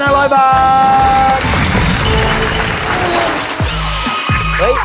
เซียนโรนไพ่